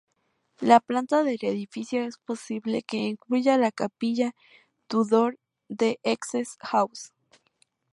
La planta del edificio es posible que incluya la capilla Tudor de Essex House.